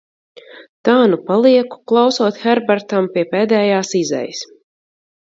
Tā nu palieku klausot Herbertam pie pēdējās izejas.